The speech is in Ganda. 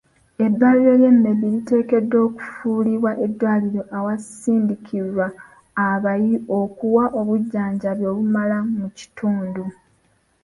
Eddwaliro ly'e Nebbi liteekeddwa okufuulibwa eddwaliro awasindikirwa abayi okuwa obujjanjabi obumala mu kitundu.